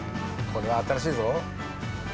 これは新しいぞ。